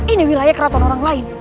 ini wilayah keraton orang lain